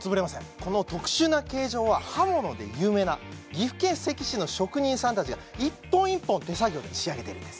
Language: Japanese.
この特殊な形状は刃物で有名な岐阜県関市の職人さんたちが１本１本手作業で仕上げているんです